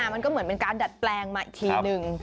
มันก็เหมือนเป็นการดัดแปลงมาอีกทีนึง